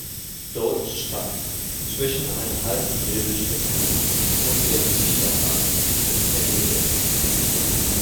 Dort stand zwischen einem alten Möbelstück und der Musikanlage eine Pendeluhr.